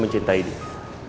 gue gak pernah bilang